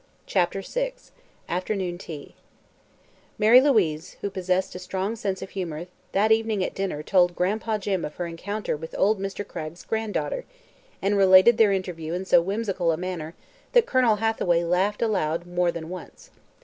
CHAPTER VI AFTERNOON TEA Mary Louise, who possessed a strong sense of humor, that evening at dinner told Gran'pa Jim of her encounter with old Mr. Cragg's granddaughter and related their interview in so whimsical a manner that Colonel Hathaway laughed aloud more than once.